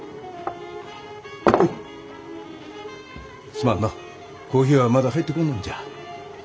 すまんのうコーヒーはまだ入ってこんのんじゃ。